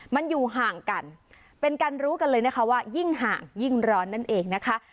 มันอยู่ห่างกันเป็นการรู้กันเลยนะคะว่ายิ่งห่างยิ่งร้อนนั่นเองนะคะ